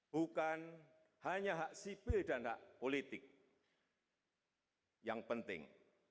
bukan hanya hak sipil dan hak politik yang penting